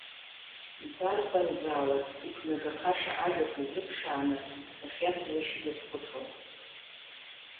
Дарбанзаалак, иқәнагахаша ажәақәа изыԥшааны, дахьиацәажәаша дазхәыцуан.